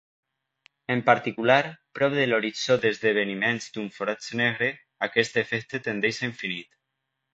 En particular, prop de l'horitzó d'esdeveniments d'un forat negre, aquest efecte tendeix a infinit.